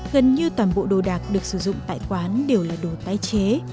gần như toàn bộ đồ đạc được sử dụng tại quán đều là đồ tái chế